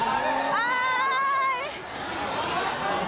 สวัสดีครับ